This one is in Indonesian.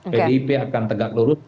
pdip akan tegak lurus